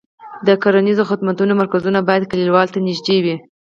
د کرنیزو خدمتونو مرکزونه باید کليوالو ته نږدې وي.